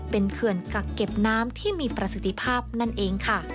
เป็นเขื่อนกักเก็บน้ำที่มีประสิทธิภาพนั่นเองค่ะ